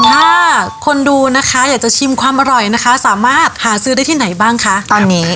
ถ้าคนดูนะคะอยากจะชิมความอร่อยนะคะสามารถหาซื้อได้ที่ไหนบ้างคะตอนนี้